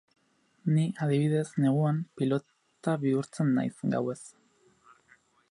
Ni, adibidez, neguan, pilota bihurtzen naiz, gauez.